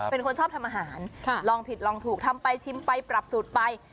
เป็นคนชอบทำอาหารลองผิดลองถูกทำไปชิมไปปรับสูตรไป